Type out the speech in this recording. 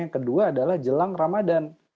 yang kedua adalah jelang ramadan